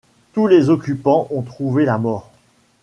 Tous les occupants ont trouvé la mort.